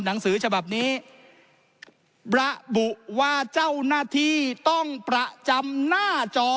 หนังสือฉบับนี้ระบุว่าเจ้าหน้าที่ต้องประจำหน้าจอ